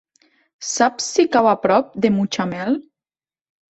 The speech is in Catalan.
Saps si cau a prop de Mutxamel?